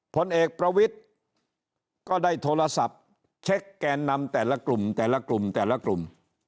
ผลเอกประวิทย์ก็ได้โทรศัพท์เช็คแกนนำแต่ละกลุ่มแต่ละกลุ่มแต่ละกลุ่ม